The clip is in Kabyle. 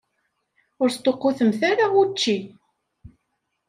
Ur sṭuqqutemt ara učči.